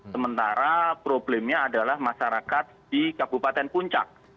sementara problemnya adalah masyarakat di kabupaten puncak